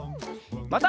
また。